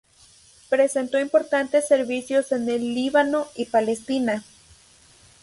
Prestó importantes servicios en el Líbano y Palestina.